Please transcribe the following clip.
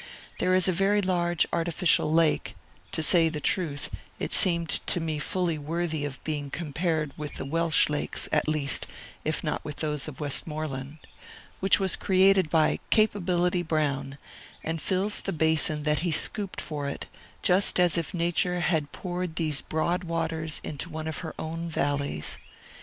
There is a very large artificial lake (to say the truth, it seemed to me fully worthy of being compared with the Welsh lakes, at least, if not with those of Westmoreland), which was created by Capability Brown, and fills the basin that he scooped for it, just as if Nature had poured these broad waters into one of her own valleys.